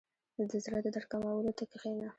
• د زړۀ د درد کمولو ته کښېنه.